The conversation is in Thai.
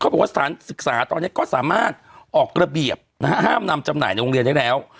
บอกว่าสถานศึกษาตอนนี้ก็สามารถออกระเบียบนะฮะห้ามนำจำหน่ายในโรงเรียนได้แล้ว